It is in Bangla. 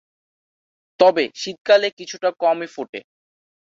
তবে শীতকালে কিছুটা কম ফোটে।